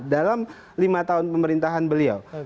dalam lima tahun pemerintahan beliau